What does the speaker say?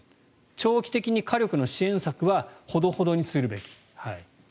長期的に火力の支援策はほどほどにすべき。